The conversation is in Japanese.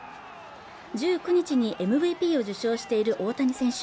１９日にＭＶＰを受賞している大谷選手